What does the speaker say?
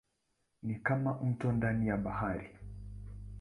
Ni kama mto ndani ya bahari.